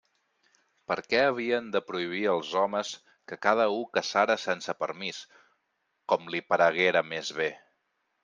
Per què havien de prohibir els homes que cada u caçara sense permís, com li pareguera més bé?